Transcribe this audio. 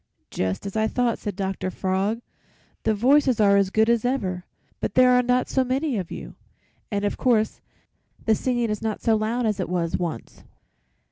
"'Just as I thought,' said Dr. Frog, 'the voices are as good as ever, but there are not so many of you, and, of course, the singing is not so loud as it was once.